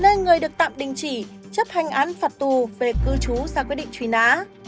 nên người được tạm đình chỉ chấp hành án phạt tù về cư trú ra quyết định trùy ná